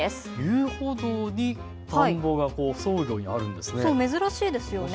遊歩道に田んぼがあるんですね。